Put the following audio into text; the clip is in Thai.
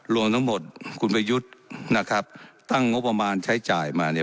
รวมทั้งหมดคุณประยุทธ์ตั้งงบประมาณใช้จ่ายมา๘ครั้ง